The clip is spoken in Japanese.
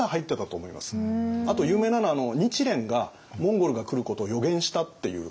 あと有名なのは日蓮がモンゴルが来ることを予言したっていう。